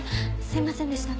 すいませんでした。